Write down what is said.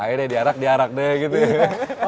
ayo deh diarak diarak deh gitu ya